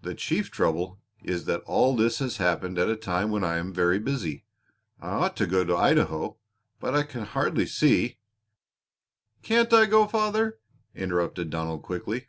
The chief trouble is that all this has happened at a time when I am very busy. I ought to go to Idaho, but I hardly see " "Can't I go, father?" interrupted Donald quickly.